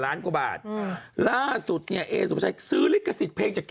ล้านกว่าบาทอืมล่าสุดเนี่ยเอสุภาชัยซื้อลิขสิทธิ์เพลงจาก